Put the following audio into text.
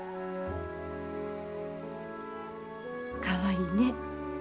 かわいいね。